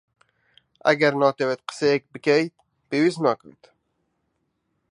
ئەگەر ناتەوێت قسەیەک بکەیت، پێویست ناکات.